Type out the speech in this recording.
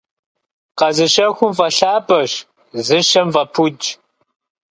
Къэзыщэхум фӀэлъапӀэщ, зыщэм фӀэпудщ.